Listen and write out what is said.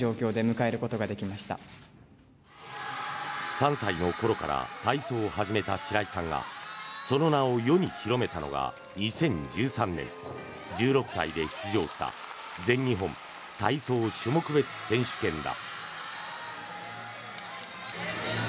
３歳の頃から体操を始めた白井さんがその名を世に広めたのが２０１３年１６歳で出場した全日本体操種目別選手権だ。